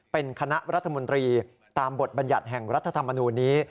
เป็นคณะรัฐมนตรีตามบทบัญญัติแห่งรัฐธรรมนูลนี้